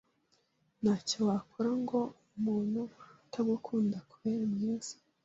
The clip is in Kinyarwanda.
ntacyo wakora ngo umuntu utagukunda akubere mwiza